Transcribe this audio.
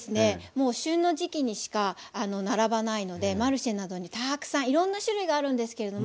もう旬の時期にしか並ばないのでマルシェなどにたくさんいろんな種類があるんですけれども。